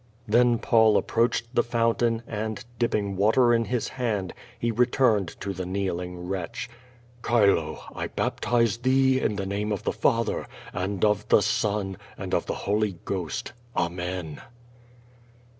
Then Paul approached the fountain, and, dipping water in his hand, he returned to the kneeling wretch. "Chilo! I baptize thee, in the name of the Father, and of the Son, and of the Holy Ghost. Amen."